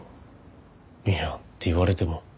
いやって言われても。